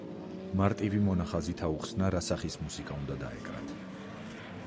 მარტივი მონახაზით აუხსნა რა სახის მუსიკა უნდა დაეკრათ.